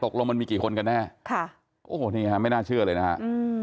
ตกลงมันมีกี่คนกันแน่โอ้โหเนี่ยไม่น่าเชื่อเลยนะครับ